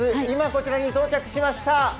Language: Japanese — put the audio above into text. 今、こちらに到着しました